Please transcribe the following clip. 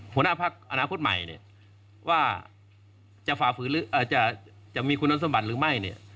หัวหน้าพักอนาคตใหม่เนี่ยว่าจะฝ่าฝืนหรือจะมีคุณสมบัติหรือไม่เนี่ย